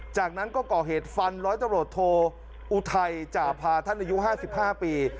จากนั้นก็ก่อเหตุฟันร้อยตำรวจโทอุทัยจ่าพาท่านอายุ๕๕ปี